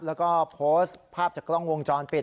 แล้วก็โพสต์ภาพจากกล้องวงจรปิด